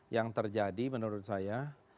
yang terjadi menurut saya